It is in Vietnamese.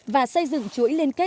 và xây dựng chuỗi liên kết